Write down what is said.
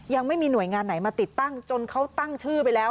ยังไม่มีหน่วยงานไหนมาติดตั้งจนเขาตั้งชื่อไปแล้ว